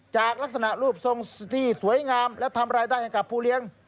จากลักษณะรูปทรงที่สวยงามและทำรายได้ให้กับผู้เลี้ยง